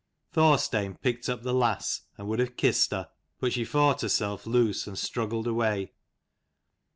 Thorstein picked up the lass, and would have kissed her, but she fought herself loose and struggled away.